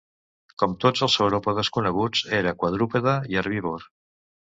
Com tots els sauròpodes coneguts, era quadrúpede i herbívor.